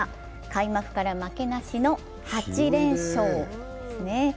開幕から負けなしの８連勝ですね。